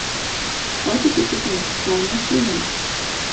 Heute gibt es nur noch zwei Maschinen.